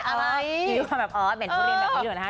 อ๋อเป็นทุเรียนแบบนี้ด้วยนะคะ